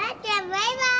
バイバイ。